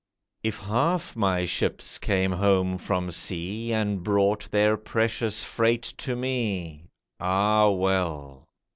If half my ships came home from sea, And brought their precious freight to me, Ah, well!